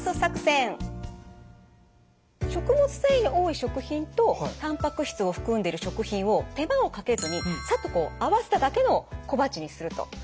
食物繊維の多い食品とたんぱく質を含んでる食品を手間をかけずにさっとこう合わせただけの小鉢にすると。